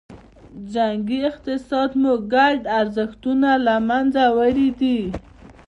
جنګي اقتصاد مو ګډ ارزښتونه له منځه وړي دي.